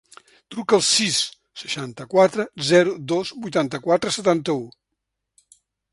Truca al sis, seixanta-quatre, zero, dos, vuitanta-quatre, setanta-u.